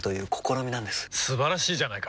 素晴らしいじゃないか！